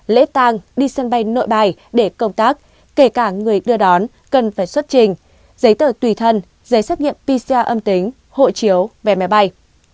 lễ tàng đi sân bay nội bài để công tác kể cả người đưa đón cần phải xuất trình giấy tờ tùy thân giấy xét nghiệm pcr âm tính hộ chiếu về máy bay